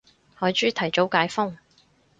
海珠提早解封